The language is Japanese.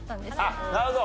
あっなるほど。